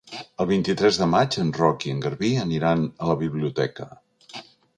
El vint-i-tres de maig en Roc i en Garbí aniran a la biblioteca.